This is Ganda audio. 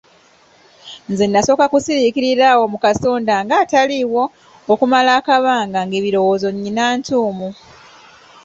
Nze nasooka kusiriikirira awo mu kasonda ng'ataliiwo okumala akabanga ng'ebirowoozo nnina ntuumu.